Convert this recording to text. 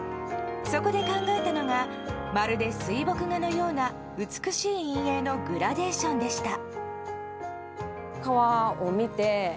そこで考えたのがまるで水墨画のような美しい陰影のグラデーションでした。